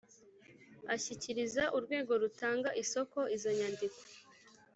ashyikiriza urwego rutanga isoko izo nyandiko